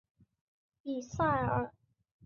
比塞尔。